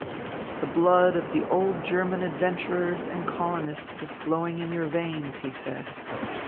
"The blood of the old German adventurers and colonists is flowing in your veins," he said.